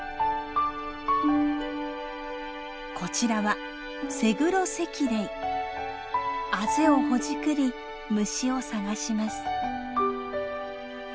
こちらはあぜをほじくり虫を探します。